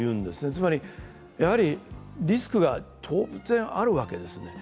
つまり、リスクが当然あるわけですね。